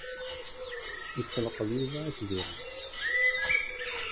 Isselqeḍ Yuba itbiren.